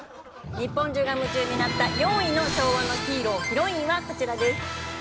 日本中が夢中になった４位の昭和のヒーロー＆ヒロインはこちらです。